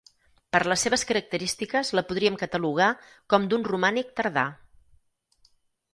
Per les seves característiques la podríem catalogar com d'un romànic tardà.